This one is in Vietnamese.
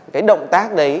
cái động tác đấy